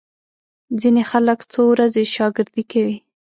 ځینې خلک څو ورځې شاګردي کوي.